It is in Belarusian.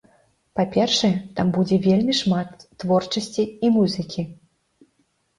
Па-першае, там будзе вельмі шмат творчасці і музыкі.